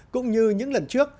cũng như những lần trước